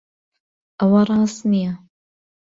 ئەوە ڕاست نییە.